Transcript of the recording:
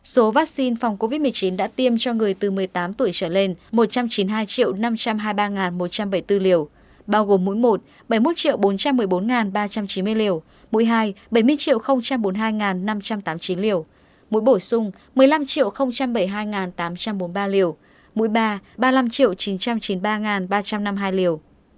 số vaccine phòng covid một mươi chín đã tiêm cho người từ một mươi tám tuổi trở lên một trăm chín mươi hai năm trăm hai mươi ba một trăm bảy mươi bốn liều bao gồm mũi một bảy mươi một bốn trăm một mươi bốn ba trăm chín mươi liều mũi hai bảy mươi bốn mươi hai năm trăm tám mươi chín liều mũi bổ sung một mươi năm bảy mươi hai tám trăm bốn mươi ba liều mũi ba ba mươi năm chín trăm chín mươi ba ba trăm năm mươi hai liều